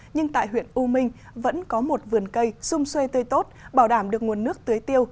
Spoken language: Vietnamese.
nhưng tại huyện u minh vẫn có một vườn cây xung xuê tươi tốt bảo đảm được nguồn nước tưới tiêu